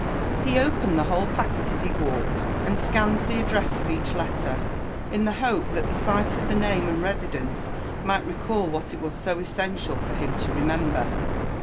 He opened the whole packet as he walked, md scanned th$ addreap of each letter, in the hope that the sight of the jianve aod residence Qugbt recall what it was so essential for him to remember.